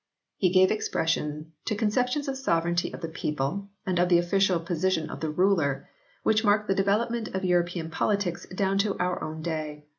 He gave expression to concep tions of the sovereignty of the people and of the official position of the ruler which mark the develop ment of European politics down to our own day.